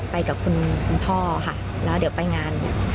ไปกับคุณพ่อค่ะแล้วเดี๋ยวไปงาน